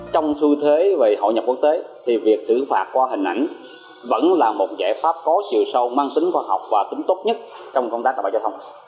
trong xu thế về hội nhập quốc tế thì việc xử phạt qua hình ảnh vẫn là một giải pháp có chiều sâu mang tính khoa học và tính tốt nhất trong công tác đảm bảo giao thông